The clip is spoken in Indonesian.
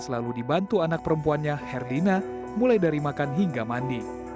selalu dibantu anak perempuannya herdina mulai dari makan hingga mandi